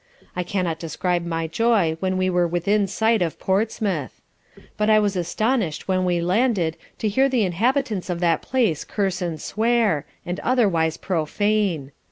I cannot describe my joy when we were within sight of Portsmouth. But I was astonished when we landed to hear the inhabitants of that place curse and swear, and otherwise profane.